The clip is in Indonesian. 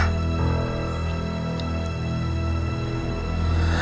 kayaknya bapak juga salah